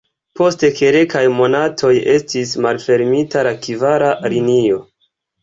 Post kelkaj monatoj estis malfermita la kvara linio.